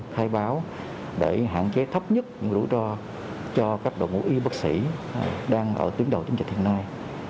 đảm bảo để hạn chế thấp nhất những rủi ro cho các đội ngũ y bác sĩ đang ở tuyến đầu chiến dịch hiện nay